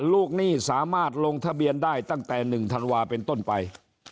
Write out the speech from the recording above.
หนี้สามารถลงทะเบียนได้ตั้งแต่๑ธันวาเป็นต้นไป